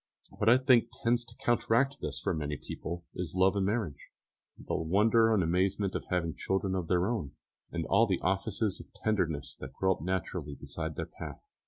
What I think tends to counteract this for many people is love and marriage, the wonder and amazement of having children of their own, and all the offices of tenderness that grow up naturally beside their path.